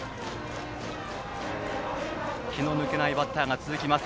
気の抜けないバッターが続きます